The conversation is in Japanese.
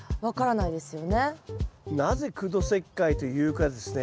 なぜ苦土石灰というかですね